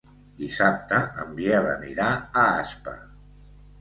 Dissabte en Biel anirà a Aspa.